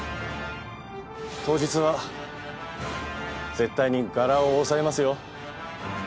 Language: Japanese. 当日は絶対にガラを抑えますよ。